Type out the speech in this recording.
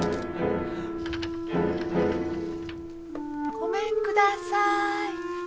ごめんください。